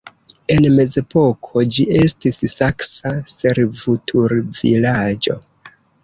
En mezepoko ĝi estis saksa servutulvilaĝo.